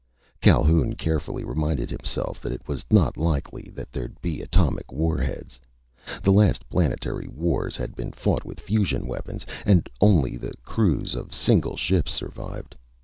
Calhoun carefully reminded himself that it was not likely that there'd be atomic war heads. The last planetary wars had been fought with fusion weapons, and only the crews of single ships survived.